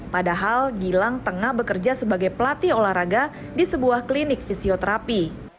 padahal gilang tengah bekerja sebagai pelatih olahraga di sebuah klinik fisioterapi